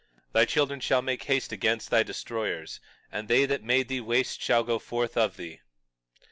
21:17 Thy children shall make haste against thy destroyers; and they that made thee waste shall go forth of thee.